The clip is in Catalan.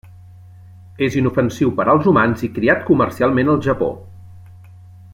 És inofensiu per als humans i criat comercialment al Japó.